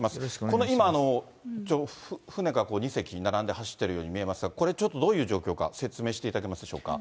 この船が今２隻並んで走っていますが、これ、ちょっとどういう状況か説明していただけますでしょうか。